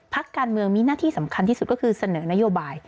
พักการเมืองมีหน้าที่สำคัญที่สุดก็คือเสนอนโยบาย